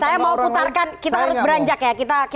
saya mau putarkan kita harus beranjak ya kita harus beranjak